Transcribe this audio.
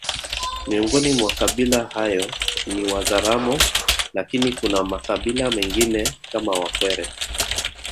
Miongoni mwa kabila hayo ni Wazaramo lakini kuna makabila mengine kama wakwere